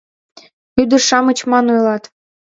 Ӱдыр-шамыч ман ойлат: